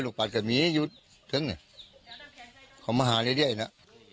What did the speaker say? เออลูกปัดกับหมีอยู่ทั้งขอมาหาเรื่อยเรื่อยนะ